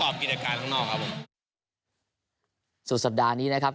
หิมชาติในครับ